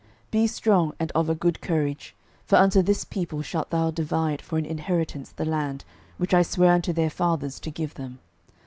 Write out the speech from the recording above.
06:001:006 Be strong and of a good courage: for unto this people shalt thou divide for an inheritance the land, which I sware unto their fathers to give them.